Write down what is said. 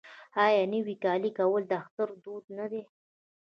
آیا نوی کالی کول د اختر دود نه دی؟